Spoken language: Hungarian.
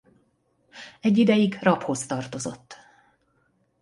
Egy ideig Rapphoz tartozott.